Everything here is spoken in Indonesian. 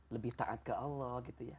lebih taat ke allah gitu ya